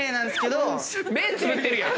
目つぶってるやん。